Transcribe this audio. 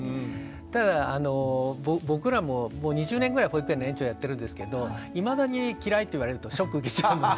ただ僕らももう２０年ぐらい保育園の園長やってるんですけどいまだに「嫌い」って言われるとショック受けちゃうので。